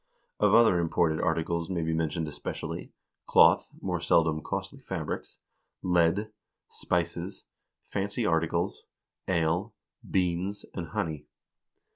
Of other imported articles may be mentioned especially : cloth, more seldom costly fabrics, lead, spices, fancy articles, ale, beans, and honey."